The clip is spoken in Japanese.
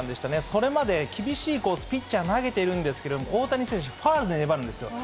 それまで厳しいコースに、ピッチャー投げているんですけれども、大谷選手、ファウルで粘るんですよ。